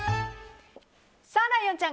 さあ、ライオンちゃん